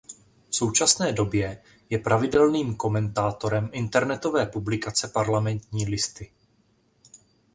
V současné době je pravidelným komentátorem internetové publikace Parlamentní listy.